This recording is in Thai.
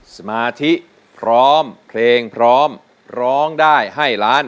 สมาธิพร้อมเพลงพร้อมร้องได้ให้ล้าน